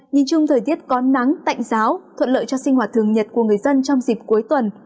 nhìn chung thời tiết có nắng tạnh giáo thuận lợi cho sinh hoạt thường nhật của người dân trong dịp cuối tuần